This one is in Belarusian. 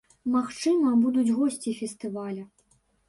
Магчыма, будуць госці фестываля.